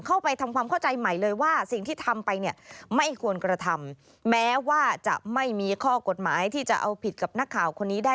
เข้าไปทำความเข้าใจใหม่เลยว่าสิ่งที่ทำไปเนี่ยไม่ควรกระทำแม้ว่าจะไม่มีข้อกฎหมายที่จะเอาผิดกับนักข่าวคนนี้ได้